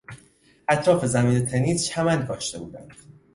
اطراف زمین تنیس چمن کاشته بودند.